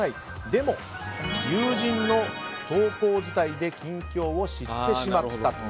でも、友人の投稿伝いで近況を知ってしまった。